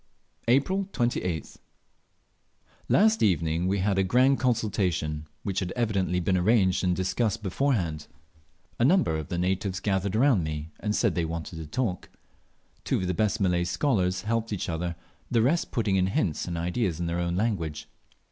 April 28th. Last evening we had a grand consultation, which had evidently been arranged and discussed beforehand. A number of the natives gathered round me, and said they wanted to talk. Two of the best Malay scholars helped each other, the rest putting in hints and ideas in their own language.